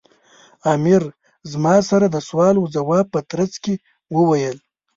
امیر زما سره د سوال و ځواب په ترڅ کې وویل.